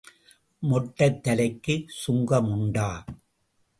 மொட்டைத்தலைக்குச் சுங்கம் உண்டா?